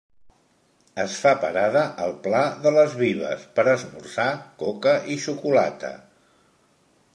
Es fa parada al pla de les Vives per esmorzar, coca i xocolata.